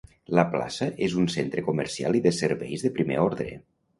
La plaça és un centre comercial i de serveis de primer ordre.